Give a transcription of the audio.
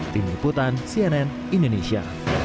tim iputan cnn indonesia